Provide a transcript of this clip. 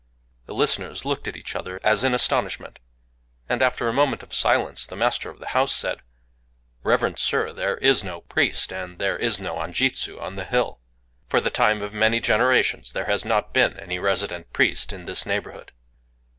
The listeners looked at each other, as in astonishment; and, after a moment of silence, the master of the house said:— "Reverend Sir, there is no priest and there is no anjitsu on the hill. For the time of many generations there has not been any resident priest in this neighborhood."